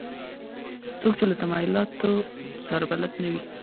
څوک چې له تمایلاتو سره بلد نه وي.